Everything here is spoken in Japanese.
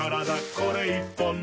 これ１本で」